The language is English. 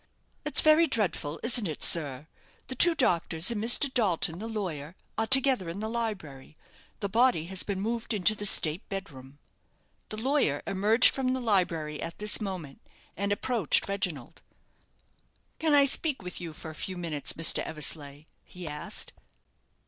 "It's very dreadful, isn't it, sir? The two doctors and Mr. Dalton, the lawyer, are together in the library. The body has been moved into the state bed room." The lawyer emerged from the library at this moment, and approached Reginald. "Can I speak with you for a few minutes, Mr. Eversleigh?" he asked.